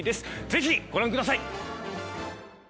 ぜひご覧ください。